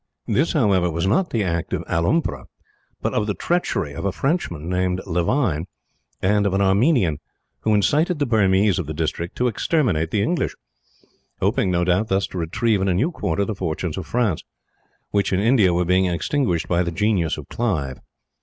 "This, however, was not the act of Alompra, but of the treachery of a Frenchman named Levine, and of an Armenian; who incited the Burmese of the district to exterminate the English hoping, no doubt, thus to retrieve, in a new quarter, the fortunes of France, which in India were being extinguished by the genius of Clive.